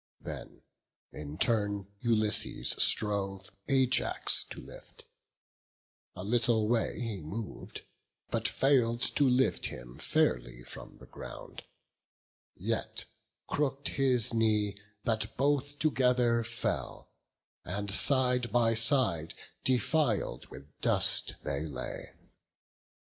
Then in turn Ulysses strove Ajax to lift; a little way he mov'd, But fail'd to lift him fairly from, the ground; Yet crook'd his knee, that both together fell, And side by side, defil'd with dust, they lay.